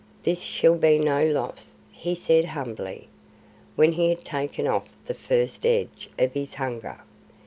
"This shall be no loss," he said humbly, when he had taken off the first edge of his hunger.